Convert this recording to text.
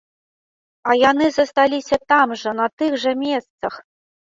А яны засталіся там жа, на тых жа месцах.